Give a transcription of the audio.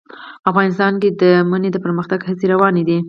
افغانستان کې د منی د پرمختګ هڅې روانې دي.